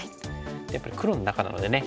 やっぱり黒の中なのでね